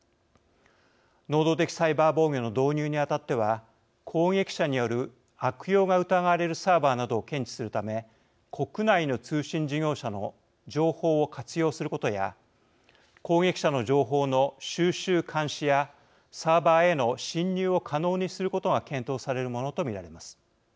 能動的サイバー防御の導入にあたっては攻撃者による悪用が疑われるサーバーなどを検知するため国内の通信事業者の情報を活用することや攻撃者の情報の収集監視やサーバーへの侵入を可能にすることが検討されるものと見られます。